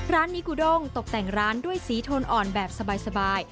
นิกูด้งตกแต่งร้านด้วยสีโทนอ่อนแบบสบาย